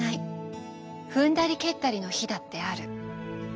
踏んだり蹴ったりの日だってある。